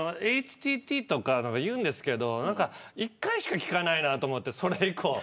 ＨＴＴとか言うんですけど１回しか聞かないなと思って。